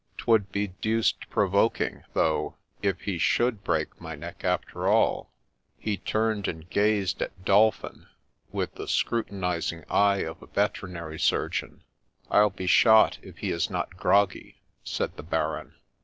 ' 'Twould be deuced provoking, though, if he should break my neck after all.' He turned and gazed at Dolphin with the scrutinizing eye of a veterinary surgeon. ' I'll be shot if he is not groggy !' said the Baron.